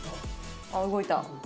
あっ動いた。